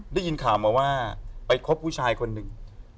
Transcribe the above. ได้ยินข่าวมาว่าไปคบผู้ชายคนหนึ่ง